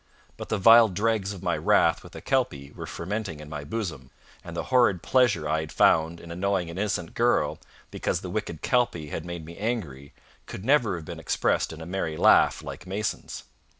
But the vile dregs of my wrath with the Kelpie were fermenting in my bosom, and the horrid pleasure I found in annoying an innocent girl because the wicked Kelpie had made me angry, could never have been expressed in a merry laugh like Mason's.